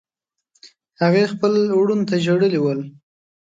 هغې خپلو وروڼو ته ژړلي ول.